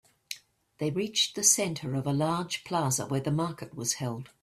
They reached the center of a large plaza where the market was held.